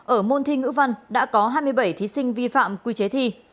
ở môn thi ngữ văn đã có hai mươi bảy thí sinh vi phạm quy chế thi